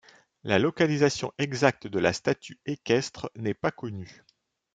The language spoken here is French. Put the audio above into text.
La localisation exacte de la statue équestre n'est pas connue.